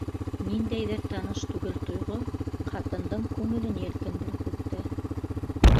Ниндәйҙер таныш түгел тойғо ҡатындың күңелен елкендереп үтте.